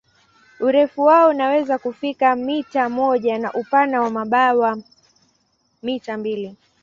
Urefu wao unaweza kufika mita moja na upana wa mabawa mita mbili.